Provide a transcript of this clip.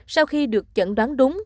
sau khi được chẩn đoán đúng